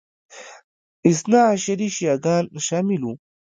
اثناعشري شیعه ګان شامل وو